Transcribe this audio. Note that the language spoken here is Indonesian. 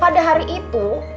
pada hari itu